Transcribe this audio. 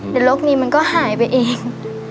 เดี๋ยวลกนี้มันก็หายไปเอง